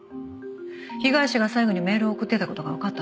被害者が最後にメールを送ってた事がわかったのよ。